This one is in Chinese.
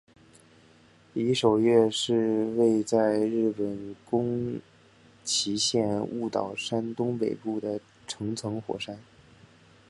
夷守岳是位在日本宫崎县雾岛山东北部的成层火山。